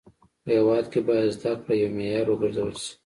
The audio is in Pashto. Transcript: په هيواد کي باید زده کړه يو معيار و ګرځول سي.